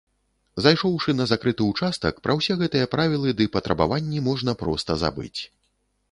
Зайшоўшы на закрыты ўчастак, пра ўсе гэтыя правілы ды патрабаванні можна проста забыць.